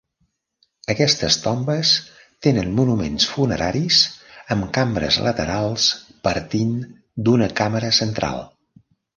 Aquestes tombes tenen monuments funeraris amb cambres laterals partint d'una càmera central.